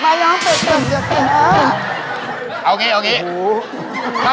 ไม่เอาเป็นกัน